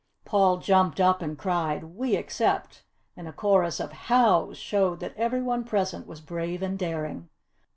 Paul jumped up and cried, "We accept!" And a chorus of "Hows!" showed that every one present was brave and daring.